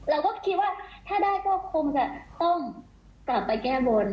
เราก็คิดว่าถ้าได้ก็คงจะต้องกลับไปแก้บน